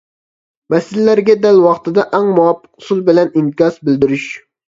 مەسىلىلەرگە دەل ۋاقتىدا ئەڭ مۇۋاپىق ئۇسۇل بىلەن ئىنكاس بىلدۈرۈش.